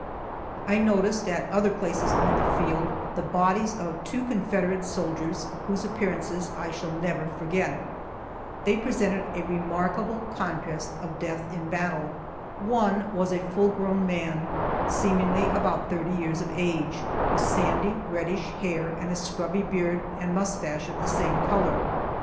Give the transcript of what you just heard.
I noticed, at other places on the field, the bodies of two Confederate soldiers, whose appearance I shall never forget. They presented a remarkable contrast of death in battle. One was a full grown man, seemingly about thirty years of age, with sandy, reddish hair, and a scrubby beard and mustache of the same color.